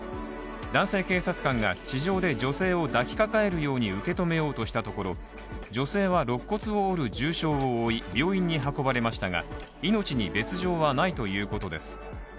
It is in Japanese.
男性警察官が地上で女性を抱きかかえるように受け止めようとしたところ女性はろっ骨を折る重傷を負い、病院に運ばれましたが命に別状はないということです。